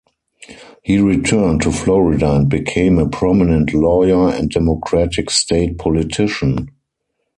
He returned to Florida and became a prominent lawyer and Democratic state politician.